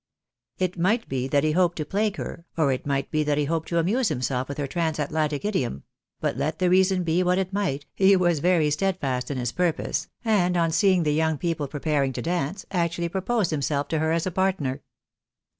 It might be that he hoped to plague her, or it might be that he hoped to amuse himself with her transatlantic idiom ; but let the reason be what it might, he was very steadfast in his purpose, and on seeing the young people preparing to dance, actually proposed himself to her as a partner.